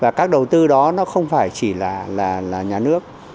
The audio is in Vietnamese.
các bối cảnh xã hội mới đó nó không phải chỉ là nhà nước